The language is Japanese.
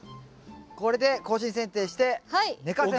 これで更新剪定して寝かせます。